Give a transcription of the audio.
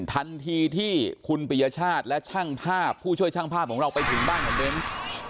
ทันทีที่คุณปริยชาติและช่างภาพผู้ช่วยช่างภาพของเราไปถึงบ้านของเบนส์